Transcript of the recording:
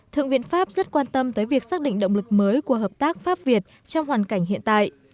thượng viện pháp rất quan tâm tới việc xác định động lực mới của hợp tác pháp việt trong hoàn cảnh hiện tại